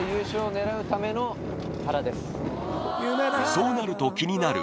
そうなると気になる